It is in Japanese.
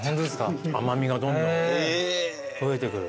甘味がどんどん増えてくる。